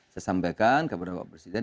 saya sampaikan kepada bapak presiden